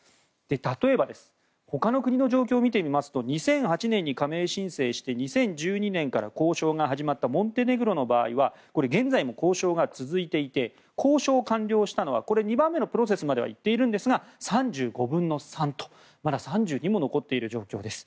例えば、ほかの国の状況を見てみますと２００８年に加盟申請して２０１２年から交渉が始まったモンテネグロの場合は現在も交渉が続いていて交渉が完了したのは２番目のプロセスまでは行っているんですが３５分の３とまだ３２も残っている状況です。